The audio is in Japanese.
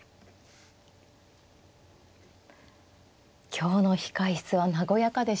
今日の控え室は和やかでしたね。